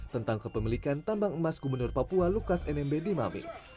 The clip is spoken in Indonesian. tentang kepemilikan tambang emas gubernur papua lukas nmb di mabe